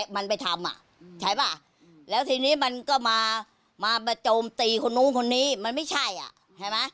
มันไปทำอ่ะใช่ป่ะแล้วทีนี้มันก็มามาโจมตีคนนู้นคนนี้มันไม่ใช่อ่ะใช่ไหม